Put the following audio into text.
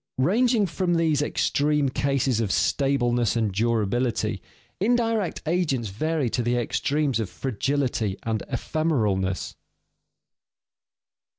Ranging from these extreme cases of stableness and durability, indirect agents vary to the extremes of fragility and ephemeralness.